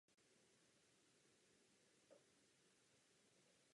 Ságy dále vyprávějí o největší známé expedici z Grónska do Severní Ameriky.